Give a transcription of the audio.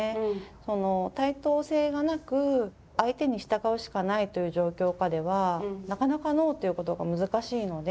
その対等性がなく相手に従うしかないという状況下ではなかなかＮＯと言うことが難しいので。